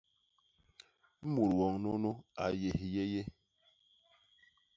Mut woñ nunu a yé hiyéyé!